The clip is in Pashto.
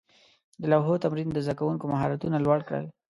د لوحو تمرین د زده کوونکو مهارتونه لوړ کړل.